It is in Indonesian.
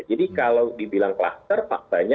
jadi kalau dibilang kluster faktanya